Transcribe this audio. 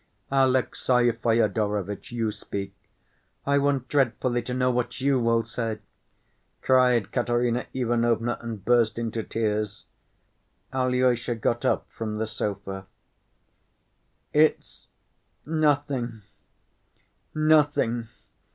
"Alexey Fyodorovitch, you speak. I want dreadfully to know what you will say!" cried Katerina Ivanovna, and burst into tears. Alyosha got up from the sofa. "It's nothing, nothing!"